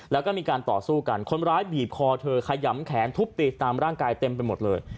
แล้วก็มีการต่อสู้กันคนร้ายบีบคอเธอขยำแขนทุบตีตามร่างกายเต็มไปหมดเลย